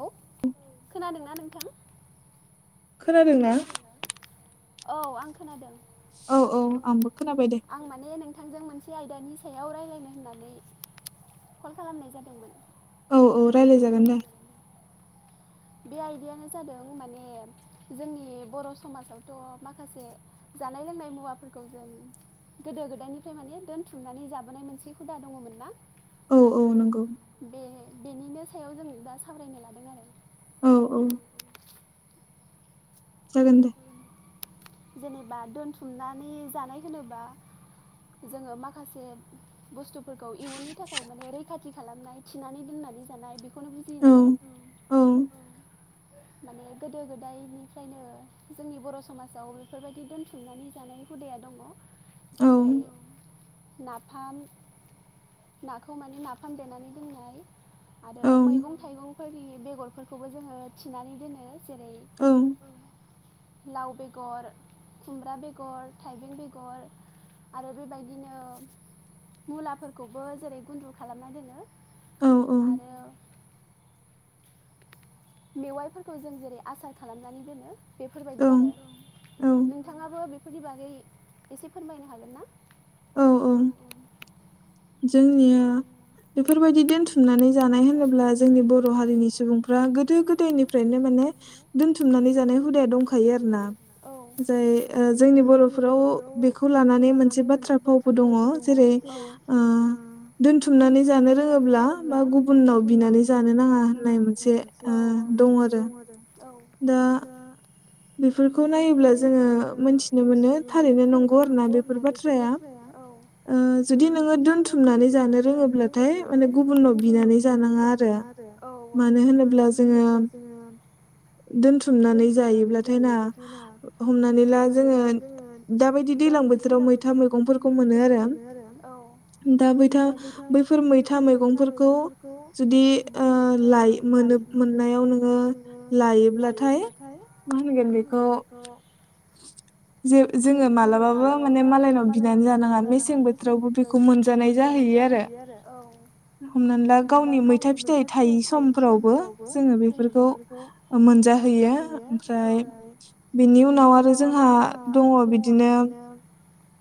हेल' खोनादोंना नोंथां खोनादोंना औ आं खोनादों औ औ आंबो खोनाबाय दे बे आयदानि सायाव रायज्लायनो होननानै कल खालामनाय जादोंमोन। औ औ रायलाय जागोन दे। बे आयदायानो जादों माने जोंनि बर' समाजावथ' माखासे जानाय लोंनाय मुवाफोरखौ जों गोदो गोदायनिफ्राय माने दोनथुमनानै जाबोनाय मोनसे हुदा दङमोन ना औ औ नंगौ बेनिनो सायाव जों दा सावरायनो लादों आरो। औ औ [inaudible] जागोन दे जेनेबा दोनथुमनानै जानाय होनोबा जोंङो माखासे बुस्थुफोरखौ इयुननि थाखाय माने रैखाथि खालामनाय थिनानै दोननानै जानाय बेखौनो बुजियो नालाय माने गोदो गोदायनिफ्रायनो जोंनि बर' समाज आव बेफोरबायदि दोनथुमनानै जानाय हुदाया दंङ जेरै नाफाम नाखौ माने नाफाम देनानै दोननाय आरो मैगं थाइगंफोरनि बेगरफोरखौबो जोंङो थिनानै दोनो जेरै अम लाव बेगर खुमब्रा बेगर थाइबें बेगर आरो बेबायदिनो मुलाफोरखौबो जेरै गुन्दु खालामना दोनो आरो मेवाइफोरखौ जों जेरै आसार खालामनानै दोनो बेफोरबायदि आरो नोंथाङाबो बेफोरनि बागै एसे फोरमायनो हागोन ना। जोंनिया बेफोरबायदि दोनथुमनानै जानाय होनोब्ला जोंनि बर' हारिनि सुबुंफ्रा गोदो गोदायनिफ्रायनो मा ने दोनथुमनानै जानाय हुदाया दंखायो आरो ना। औ ओमफ्राय जोंनि बर'फोराव बेखौ लानानै मोनसे बाथ्रा फावबो दङ औ ओ दोनथुमनानै जानो रोङोब्ला बा गुबुनाव बिनानै जानो नाङा होननाय मोनसे ओ दं आरो दा बेफोरखौ नायोब्ला जोंङो मोनथिनो मोनो थारैनो नंगौ आरो ना बेफोर बाथ्राया ओ जुदि नोंङो दोनथुमनानै जानो रोङोब्लाथाय माने गुबुननाव बिनानै जानाङा आरो। औ औ मानो होनोब्ला जोंङो दोनथुमनानै जायोब्लाथाय ना हमनानै ला जोंङो दाबायदि दैलां बोथोराव मैथा मैगंफोरखौ मोनो आरो मोनो आरो औ दा बैथा बैफोर मैथा मैगंफोरखौ जुदि ओ लाय मोनो मोन मोननायाव नोङो लायोब्लाथाय मा होनगोन बेखौ जे जोंङो मालाबाबो माने मालायनाव बिनानै जानाङा मेसें बोथोरावबो बेखौ मोनजानाय जाहै जाहैयो आरो औ हमना ला गावनि मैथा फिथाइ थायै समफोरावबो जोंङो बेफोरखौ मोनजाहैयो ओमफ्राय बेनि उनाव आरो जोंहा दङ बिदिनो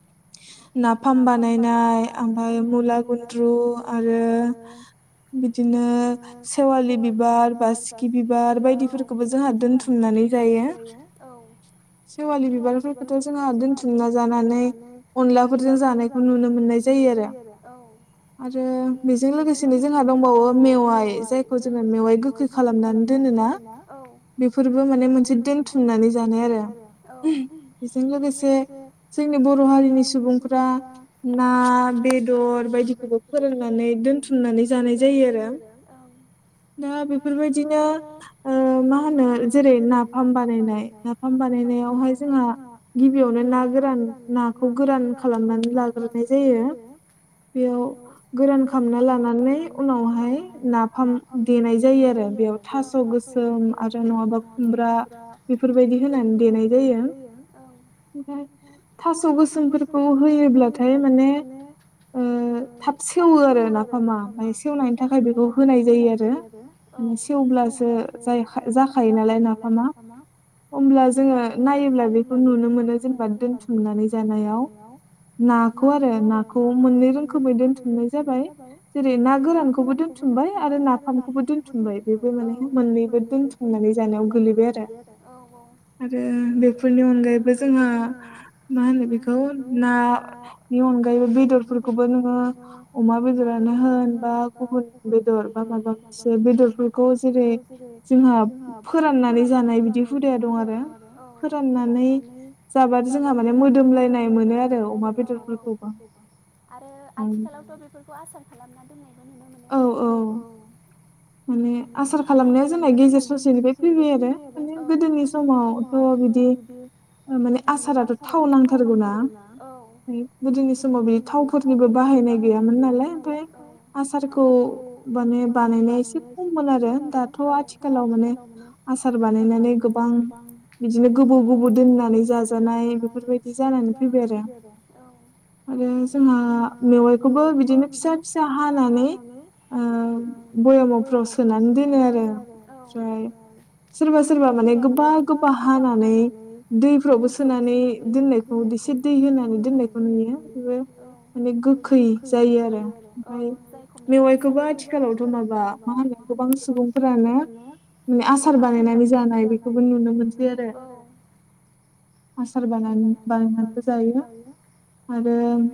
[inaudible] नाफाम बानायनाय ओमफ्राय मुला गुन्द्रु आरो बिदिनो सेवालि बिबार बासिखि बिबार बायदिफोरखौबो जोंहा दोनथुमनानै नानै जायो औ सेवलि बिबारफोरखौथ जोंङो दोनथुमना जानो हायो अनलाफोरजों जानायखौ नुनो मोननाय जायो आरो औ आरो बेजों लोगोसेनो जोंहा दंबावो मेवाय जाय जोंङो मेवाइ गोखै खालामनानै दोनोना औ बेफोरबो माने मोनसे दोनथुमनानै जानाय आरो औ बेजों लोगोसे बर' हारिनि सुबुंफोरा ना बेदर बायदिखौबो फोराननानै दोनथुम दोनथुमनानै जानाय जायो आरो दा बेफोरबायदिनो मा होनो जेरै जेरै नाफाम बानायनाय नाफाम बानायनायावहाय जोंहा गिबियावनो ना गोरान नाखौ गोरान खालामनानै लाग्रोनाय जायो बेयाव गोरान खालामना लानानै उनावहाय नाफाम देनाय जायो आरो बेयाव थास' गोसोम आरो नङा खु- [inaudible] खुमब्रा बेफोरबायदि होनानै देनाय जायो औ थास' गोसोमफोरखौ होयोब्लाथाय माने थाब सेवो आरो नाफामा सेवनायनि थाखाय बेखौ होनाय जायो आरो सेवब्लासो जाखायो नालाय नाफाम नाफामा होनब्ला जोङो नायोब्ला बेखौ नुनो मोनो जों होनानै जानायाव नाखौ आरो नाखौ मोननै रोखोमै दोनथुमनाय जाबाय जेरै ना गोरानखौबो दोन्थुम आरो नाफामखौबो दोनथुमबाय बेबो माने मोननैबो दोनथुनानै जानायाव गोलैबाय गोलैबाय आरो औ औ आरो बेफोरनि अनगायैबो जोंहा मा होनो बेखौ नानि अनगायैबो बेदरफोरखौबो नोङो अमा बेदर होन बा गुबुन बेदर बा माबा मोनसे बेदरफोरखौ जेरै जोंहा फोराननानै जानाय बिदि हुदाया दं आरो औ फोराननानै जाबा मोदोमलायनाय मोनो आरो अमा बेदरफोरखौबो औ औ माने आसार खालामनाया जोंना गेजेर ससेनिफ्राय [inaudible] आरो फैबाय औ गोदोनि समावथ' बिदि माने आसाराथ' थाव नांथारगौ ना औ गोदोनि समाव बे थावफोरनिबो बाहायनाय गैयामोन ना आसारखौ माने बानायनाया एसे खममोन आरो दाथ' आथिखालाव माने [inaudible] मोनो आसार बानायनानै गोबां बिदिनो गोबौ गोबौ दोननानै जाजानाय बिदि जानानै फैदो आरो औ आरो जोंहा मेवाइखौबो बिदिनो फिसा फिसा हानानै ओ बयामावफ्राव सोनानै दोनो आरो औ ओमफ्राय सोरबा सोरबा माने गोबा गोबा हानानै दैफोरावबो सोनानै दोननायखौ इसे दै होनानै दोननायखौ नुयो बेबो माने गोखै जायो आरो ओमफ्राय मेवाइखौबो आथिखालावथ' माबा मा होनो गोबां सुबुंफोरानो आसार बानायनानै जानाय बेखौबो नुनो मोनसै आरो बानायनानैबो जायो आरो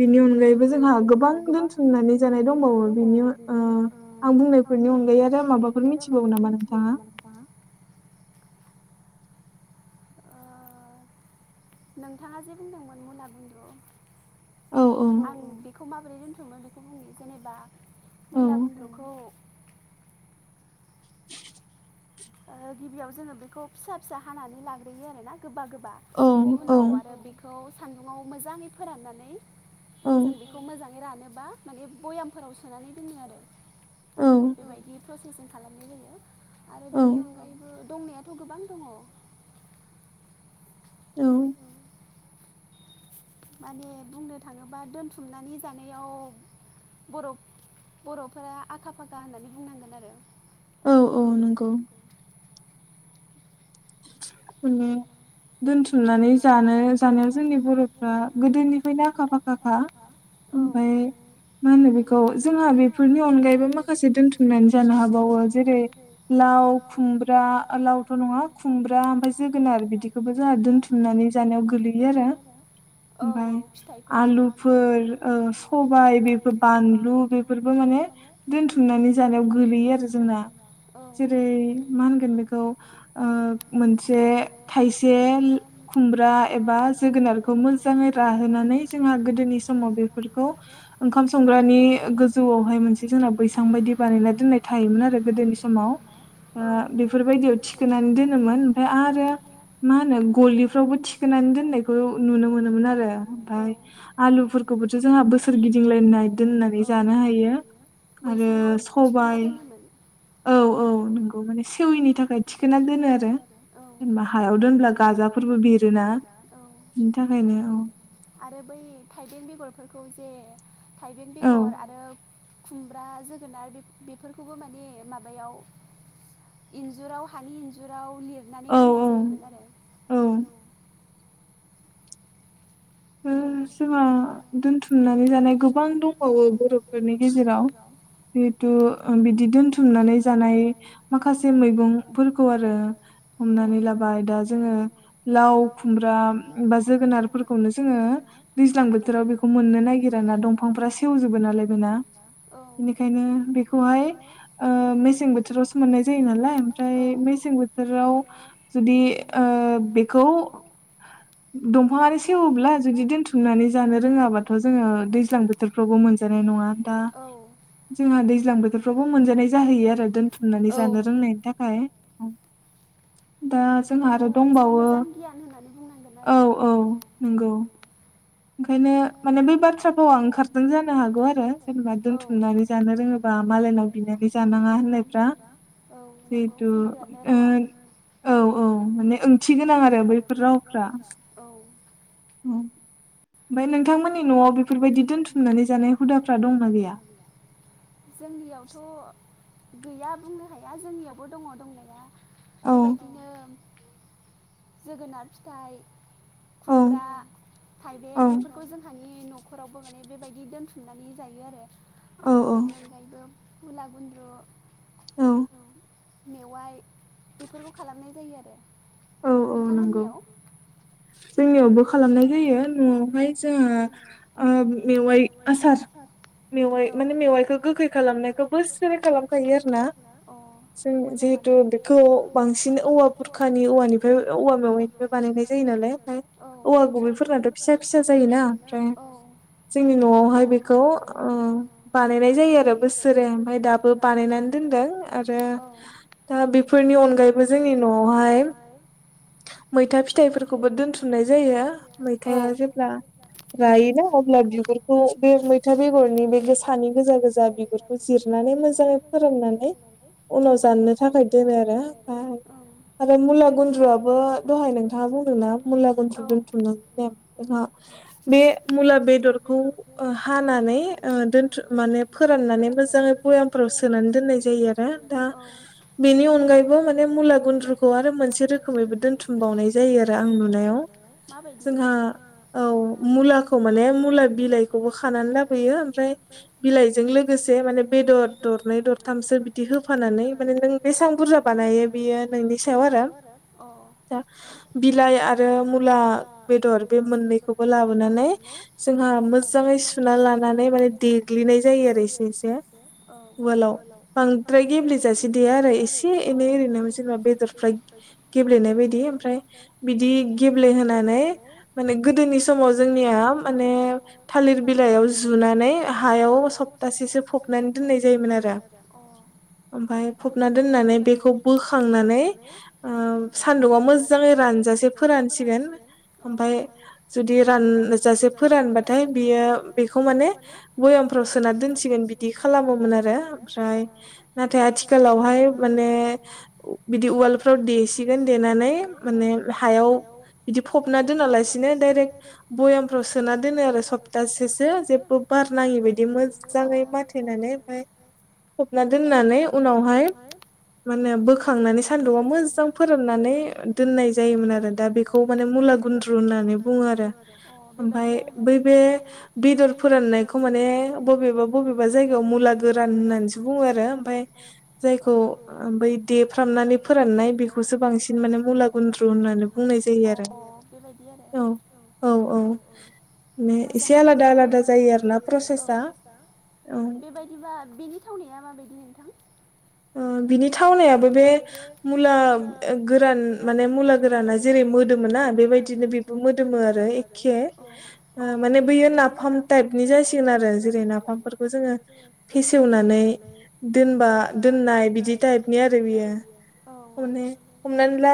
बिनि अनगायैबो जोंहा गोबां दोनथुमनानै जानाय दंबावो बिनि आं बुंनायफोरनि नि अनगायै आरो माबाफोर मिथिबावो नामा [inaudible] [unintelligible] ओ नोंथाङा जे बुंदोंमोन मुला गुन्द्रु आं बेखौ माबोरै दोनथुमो बेखौ बुंनि जेनेबा मुला गुन्द्रुखौ ओ गिबियाव जोङो बेखौ फिसा फिसा हानानै लाग्रोयो आरो ना गोबा गोबा बा बिनि उनाव आरो बेखौ सान्दुङाव मोजाङै फोराननानै जों बेखौ मोजाङै रानोब्ला माने भयामफोराव सोनानै दोनो आरो बेबायदि प्रसेसिं खालामनाय जायो आरो औ दंनायाथ गोबां दङ औ माने बुंनो थाङोबा दोनथुमनानै जानायाव बर बरफोरा आखा फाखा होननानै बुंनांगोन आरो। औ औ नंगौ ओम दोनथुमनानै जानो जानायाव जोंनि बरफ्रा गोदोनिफ्रायनो आखा फाखाखा ओमफ्राय मा होनो बेखौ जोंहा बेफोरनि अनगायैबो माखासे दोनथुमनानै जानो हाबावो जेरै लाव लाव खुमब्रा लावथ नङा खुमब्रा ओमफ्राय जोगोनार आरो बिदिखौबो जोंहा दोनथुमनानै जानायाव गोलैयो आरो औ औ फिथाइफोरखौ आलुफोर सबाय बेफोर बानलु बेफोरखौ दोनथुमनानै जानायाव गोलैयो आरो जोंना जेरै मा होनगोन बेखौ ओ मोनसे थाय खुमब्रा एबा जोगोनारखौ मोजाङै राहोनानै जोंहा गोदोनि समाव बे बेफोरखौ ओंखाम संग्रानि गोजौआवहाय मोनसे जोंना बैसां बायदि बानायना दोननाय थायोमोन। आरो गोदोनि समाव ओ बेफोरबायदियाव थिखोनानै दोनोमोन ओमफ्राय आरो। मा होनो गलिफ्रावबो थिखोनानै दोननायखौ नुनो मोनोमोन आरो ओमफ्राय आलुफोर खौबोथ जोंहा बोसोर गिदिंलायनाय दोननानै जानो हायो आरो सबाइ- [inaudible] औ औ नोंगौ माने सेवैनि थाखाय थिखोनना दोनो आरो जेनेबा हायाव दोनब्ला। गाजाफोरबो बेरोना बिनि थाखाय आरो बै थाइबें बेगरफोरखौ जे थाइबें बेगर आरो खुमब्रा जोगोनार बेफोरखौबो माने माबायाव इन्जुराव हानि इन्जुराव लिरनानै दोननाय जायोमोन आरो। औ ओ जोंहा दोनथुमनानै जानाय गोबां दंबावो बरफोरनि गेजेराव जिहथु बिदि दोनथुमनानै जानाय माखासे मैगंफोरखौ आरो। हमनानै लाबाय दा जोङो लाव खुमब्रा बा जोगोनारफोरखौनो जोङो दैज्लां बोथोराव बेखौ मोननो नागिरा ना दंफांफ्रा सेवजोबो नालाय बेना बेनिखायनो बेखौहाय ओ मेसें बोथोरावसो मोननाय जायो नालाय ओमफ्राय मेसें राव जुदि ओ बेखौ दंफाङानो सेव ब्ला जुदि दोनथुमनानै जानो रोङाबाथ जोङो दैज्लां बोथोरफ्रावबो मोनजानाय नङा दा जोंहा दैज्लां बोथोरफ्रावबो मोनजानाय जाहैयो आरो दोनथुमनानै जानो रोंनायनि थाखाय बेखौ मोनसे मोजां गियान होननानै बुंनांगोन आरो औ औ। औ ओंखायनो माने बै बाथ्रा भावा ओंखारदों जानो हागौ आरो जेनेबा दोनथुमनानै जानो रोङोबा। मालायनाव बिनानै जानाङा होननायफ्रा जिहेथु ओ औ औ माने ओंथि गोनां आरो बैफोर रावफ्रा औ ओमफ्राय नोंथांमोननि नआव बेफोरबायदि दोनथुमनानै जानाय हुदाफ्रा दंना गैया? जोंनियावथ गैया बुंनो हाया जोंनियावबो दङ दंनाया बेबायदिनो जोगोनार फिथाइ खुमब्रा थाइबें बे बेफोरखौ जोंहानि न'खरावबो माने बेबायदि दोनथुमनानै जायो आरो आरो बेनि अनगायैबो मुला गुन्द्रु औ मेवाय। बेफोरखौ खालामनाय जायो आरो नोंथांमोननियाव? जोंनियावबो खालामनाय जायो न'आवहाय जोंहा ओ मेवाइ आसार। मेवाइ माने मेवाइखौ गोखै खालामनायखौ बोसोरै खालामखायो आरो ना जों जे जों बेखौ बांसिन औवा बुरखानि औवानिफ्राय औवा मेवाइनिफ्राय बानायनाय जायो नालाय ओमफ्राय औवा गुबबैफोरनाथ' फिसा फिसा जायोना ओमफ्राय जोंनि न'आवहाय बेखौ ओ बानायनाय जायो आरो बोसोरे ओमफ्राय दाबो बानायनानै दोन दों आरो दा बेफोरनि अन यैबो जोंनि न'आवहाय मैथा फिथाय फोरखौबो दोनथुमनाय जायो मैथायआ जेब्ला रायोना अब्ला बिगुरखौ बे मैथा बेगरनि बे सानि गोजा गोजा बिगुरखौ जिर नानै मोजाङै फोरोंनानै उनाव जानो थाखाय दोनो आरो। आरो मुला गुन्द्रुआबो दहाय नोंथाङा बुंदों ना मुला गु द्रु दोनथुम नानै जोंहा बे मुला बेदरखौ हानानै ओ दोनथु माने ओ फोराननानै मोजाङै भयामफोराव सोनानै दोननाय जायो आरो दा बेनि अनगायैबो माने मुला गुन्द्रुखौ आरो मोनसे रोखोमैबो दोनथुमबावनाय जायो आरो आं नुनायाव। जोंहा औ मुलाखौ माने मुला बिलाइखौबो खानानै लाबोयो। ओमफ्राय बिलाइजों लोगोसे माने बेदर दरनै दरथामसो बिदि होफानानै माने नों बे सां बुरजा बानायो बियो नोंनि सायाव आरो। बिलाइ आरो मु ला बेदर बे मोननैखौबो लाबोनानै जों मोजै सुना लानानै मा ने देग्लिनाय जायो आरो एसे एसे उवालाव बांद्राय गेब्लेेजासे देयाआरो एसे ऐनै ओरैनो जेनेबा बेदरफ गे-गेब्लेनाय बायदि ओमफ्राय बिदि गेब्लेहोनानै माने गोदोनि समाव जोंनिया माने थालिर बिलाइयाव जुनानै हायाव [inaudible] अ [unintelligible] ओमफ्राय फबना दोननानै बेखौ बोख खांनानै ओ सान्दुङाव मोजाङै रानजासे फोरानसि गोन ओमफफ्राय जुदि रानजासे फोरानबाथाय बियो बेखौ माने भयामफ्राव सोना दोनसिगोन बिदि खालामोमोन आरो ओमफ्राय नाथाय आथिखालावहाय माने बिदि वाल फोराव देसिगोन देनानै माने हायाव बिदि फबना दोना लासिनो दडायरेक्ट भयामफ्राव सोनानै दोनो आरो सप्तासेसो। जेखौ गारना होै बिदि मोजजाङै फासनानै [unintelligible] फबना दोननानै उनावहाय माने बोख खांनानै सान्दुंआव मोजां फोराननानै दोननाय जायो मोन आरो दा बेखौ मुला गुन्द्रु होननानै बुङो आरो। ओमफ्राय बै बे बेदर फोराननायखौ माने बबेबा बबेबा जायगायाव मुला गोरान होननानैसो बुङो आरो ओमफ्राय बे जायखौ बै देफ्रामनानै फोराननाय बेखौसो बांसिन माने मुला गुन्द्रु होन नानै बुंनाय जायो आरो। बेबायदि आरो औ औ औ [unintelligible] [unintelligible] बेबायदिबा बेनि थावनाया माबायदि नोंथां? ओ बिनि थावनायाबो बे मुला ओ गोरान माने मुला गो राना जेरै मोदोमो ना बेबायदिनो बेबो मोदोमो आरो ऐके ओ माने बैयो ना फाम टाइपनि जासिगोन आरो जेरै नाफामफोरखौ जोङो फेसेवनानै दोनबा दोननाय बिदि टाइपनि आरो बियो [unintelligible] हमनानै ला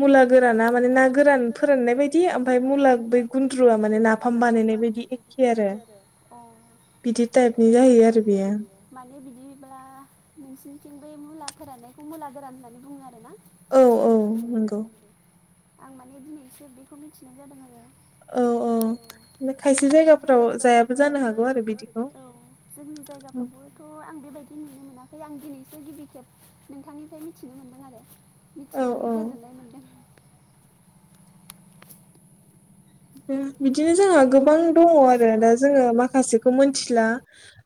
मुला गोराना माने ना गोरान फोराननाय बायदि ओमफ्राय मुला बै गुन्द्रुआ माने नाफाम बानायनाय बायदि। आरो अ बिदि टाइपनि जाहैयो आरो बेयो माने बिदिब्ला नोंसिनिथिं बे मुला फोराननायखौ मुला गोरान होननानै बुङो आरोना। औ औे आं माने दिनैसो बेखौ मिथिनाय जादों आरो। औ औ बे खायसे [inaudible] औ जोंनि जायगाफ्रावबोथ' आं बेबायदि नुनो मोना खै आं दिनैसो गिबि खेब नोंथांनिफ्राय मिथिनो मोनदों आरो मिथिनानै गोजोननाय मोनदों। बिदिनो जोंहा गोबां दङ आरो दा जोङो माखासेखौ मिथिला